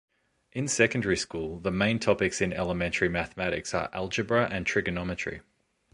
In secondary school, the main topics in elementary mathematics are algebra and trigonometry.